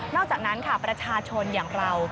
อกจากนั้นค่ะประชาชนอย่างเรา